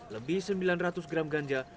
lebih sembilan ratus gram ganja